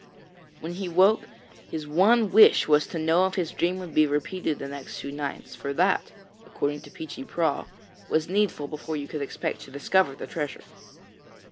When he woke, his one wish was to know if his dream would be repeated the next two nights, for that, according to Peechy Prauw, was needful before you could expect to discover the treasure.